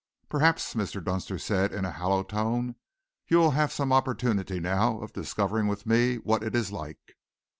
"Perhaps," Mr. Dunster said in a hollow tone, "you will have some opportunity now of discovering with me what it is like."